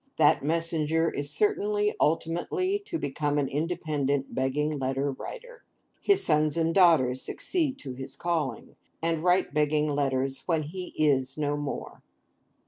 That messenger is certain ultimately to become an independent Begging Letter Writer. His sons and daughters succeed to his calling, and write begging letters when he is no more.